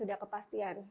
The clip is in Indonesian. sudah ada kepastian